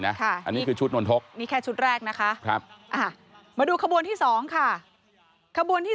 อันนี้คือชุดนนทกนี่แค่ชุดแรกนะคะมาดูขบวนที่๒ค่ะขบวนที่